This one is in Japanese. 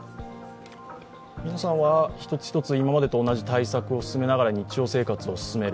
皆さんは一つ一つ今までと同じ対策を取りながら日常生活を進める。